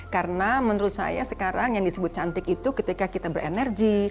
karena menurut saya sekarang yang disebut cantik itu ketika kita berenergi